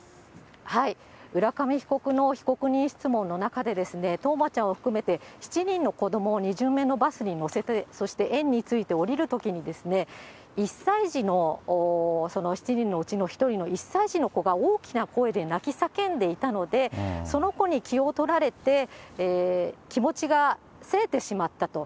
浦上被告の被告人質問の中で、冬生ちゃんを含めて７人の子どもを２巡目のバスに乗せて、そして園に着いて降りるときに、１歳児の、その７人のうちの１人の１歳児の子が大きな声で泣き叫んでいたので、その子に気を取られて、気持ちが急いてしまったと。